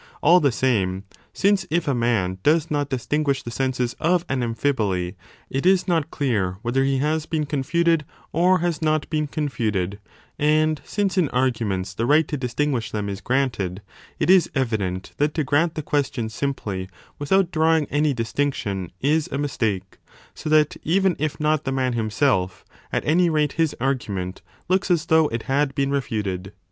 All the same, since if a man does not distinguish the senses of an amphiboly, it is not clear w r hether he has been confuted or has not been confuted, and since in arguments the right to distinguish them is granted, it is evident that to grant 30 the question simply without drawing any distinction is a mistake, so that, even if not the man himself, at any rate his argument looks as though it had been refuted.